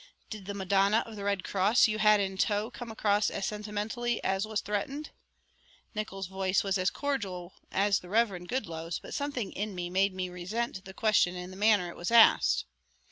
Did the Madonna of the Red Cross you had in tow come across as sentimentally as was threatened?" Nickols' voice was as cordial as the Reverend Goodloe's, but something in me made me resent the question and the manner it was asked.